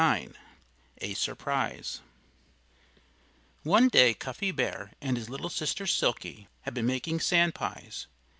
IX A SURPRISE One day Cuffy Bear and his little sister Silkie had been making sand pies.